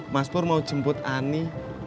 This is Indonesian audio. mas pur mau jemput ani